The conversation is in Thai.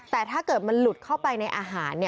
แต่ถ้าเกิดมันหลุดเข้าไปในอาหาร